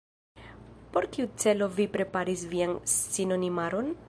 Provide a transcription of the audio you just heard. Por kiu celo vi preparis vian sinonimaron?